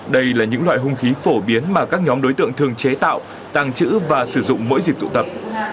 đây là những loại hung khí phổ biến mà các nhóm đối tượng thường chế tạo tàng trữ và sử dụng mỗi dịp tụ tập